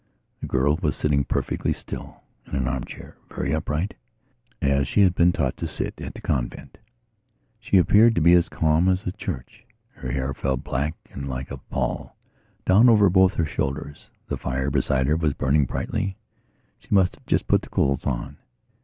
The girl was sitting perfectly still in an armchair, very upright, as she had been taught to sit at the convent. She appeared to be as calm as a church; her hair fell, black and like a pall, down over both her shoulders. The fire beside her was burning brightly; she must have just put coals on.